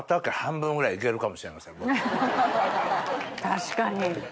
確かに。